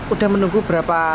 udah menunggu berapa